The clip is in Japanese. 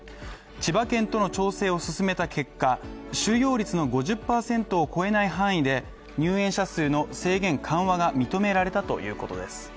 千葉県との調整を進めた結果収容率の５０％を超えない範囲で、入園者数の制限緩和が認められたということです。